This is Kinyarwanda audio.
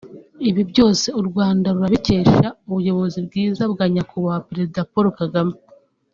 ibi byose u Rwanda rurabikesha ubuyobozi bwiza bwa Nyakubahwa Perezida Paul Kagame